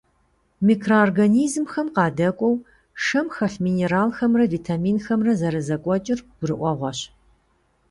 Микроорганизмхэм къадэкӀуэу, шэм хэлъ минералхэмрэ витаминхэмрэ зэрызэкӀуэкӀыр гурыӀуэгъуэщ.